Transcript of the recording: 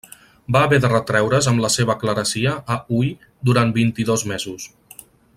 Va haver de retreure's amb la seva clerecia a Huy durant vint-i-dos mesos.